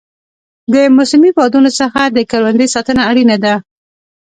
د موسمي بادونو څخه د کروندې ساتنه اړینه ده.